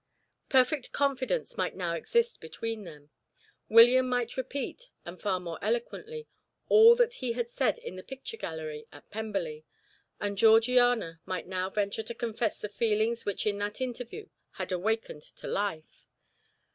Perfect confidence might now exist between them; William might repeat, and far more eloquently, all that he had said in the picture gallery at Pemberley; and Georgiana might now venture to confess the feelings which in that interview had awakened to life.